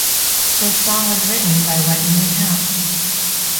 This song was written by Wetton and Howe.